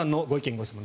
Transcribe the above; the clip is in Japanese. ・ご質問